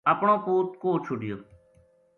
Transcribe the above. اپنو پوت کوہ چھوڈیو ‘‘